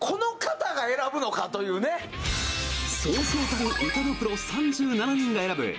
そうそうたる歌のプロ３７人が選ぶ